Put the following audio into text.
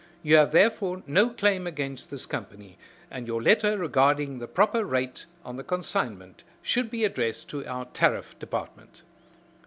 You have therefore no claim against this company, and your letter regarding the proper rate on the consignment should be addressed to our Tariff Department."